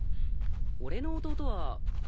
俺の弟は。